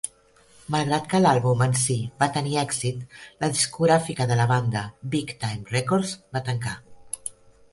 Malgrat que l'àlbum en si va tenir èxit, la discogràfica de la banda, Big Time Records va tancar.